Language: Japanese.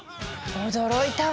驚いたわ！